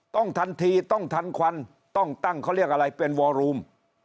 ต้องทันทีต้องทันควันต้องตั้งเขาเรียกอะไรเป็นวอรูม